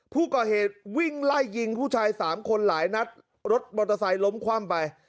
ผู้ก่อเหตุวิ่งไล่ยิงผู้ชายสามคนหลายนัดรถมอเตอร์ไซค์ล้มคว่ำไป